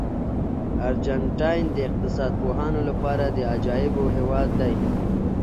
ارجنټاین د اقتصاد پوهانو لپاره د عجایبو هېواد دی.